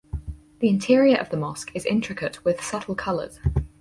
The interior of the mosque is intricate with subtle colors.